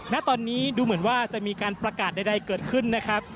ณตอนนี้ดูเหมือนว่าจะมีการประกาศใดเกิดขึ้นนะครับ